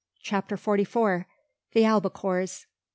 CHAPTER FORTY FOUR. THE ALBACORES.